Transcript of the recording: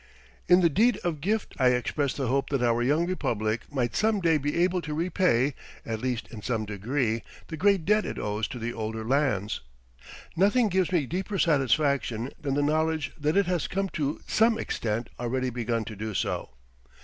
In the deed of gift I expressed the hope that our young Republic might some day be able to repay, at least in some degree, the great debt it owes to the older lands. Nothing gives me deeper satisfaction than the knowledge that it has to some extent already begun to do so.